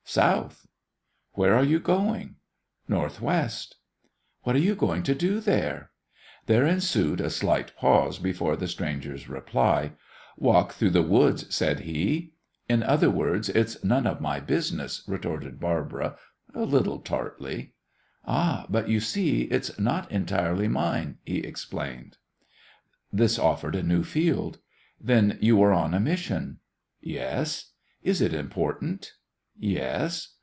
"South." "Where are you going?" "Northwest." "What are you going to do there?" There ensued a slight pause before the stranger's reply. "Walk through the woods," said he. "In other words, it's none of my business," retorted Barbara, a little tartly. "Ah, but you see it's not entirely mine," he explained. This offered a new field. "Then you are on a mission?" "Yes." "Is it important?" "Yes."